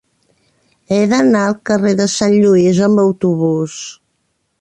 He d'anar al carrer de Sant Lluís amb autobús.